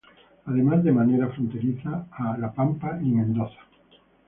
Además, de manera fronteriza, a La Pampa y Mendoza.